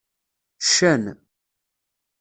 Ccan.